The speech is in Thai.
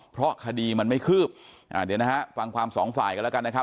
เพราะคดีมันไม่คืบอ่าเดี๋ยวนะฮะฟังความสองฝ่ายกันแล้วกันนะครับ